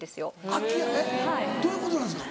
開きどういうことなんですか？